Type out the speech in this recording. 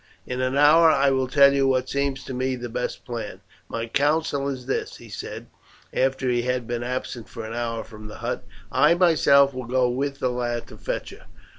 In an hour I will tell you what seems to me the best plan. My counsel is this," he said, after he had been absent for an hour from the hut, "I myself will go with the lad to fetch her.